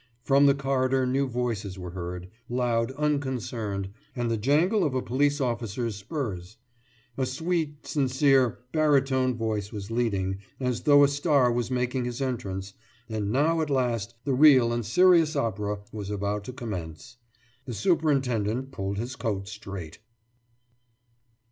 From the corridor new voices were heard, loud, unconcerned, and the jangle of a police officer's spurs. A sweet, sincere, barytone voice was leading, as though a star was making his entrance and now at last the real and serious opera was about to commence. The superintendent pulled his coat straight.